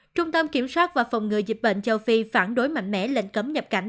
trung tâm kiểm soát và phòng ngừa dịch bệnh châu phi phản đối mạnh mẽ lệnh cấm nhập cảnh